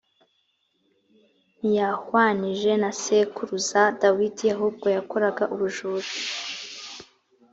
ntiyahwanije na sekuruza dawidi ahubwo yakoraga ubujura.